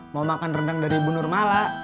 mau makan rendang dari ibu nurmala